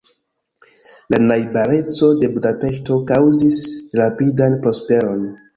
La najbareco de Budapeŝto kaŭzis rapidan prosperon.